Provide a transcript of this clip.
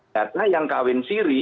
data yang kawin siri